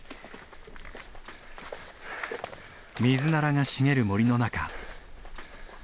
ミズナラが茂る森の中。